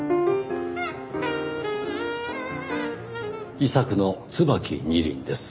遺作の『椿二輪』です。